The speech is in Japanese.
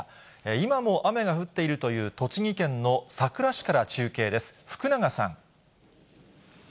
今も雨が降っているという栃木県のさくら市から中継です、福永さ